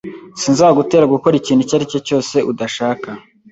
Sinzagutera gukora ikintu icyo ari cyo cyose udashaka.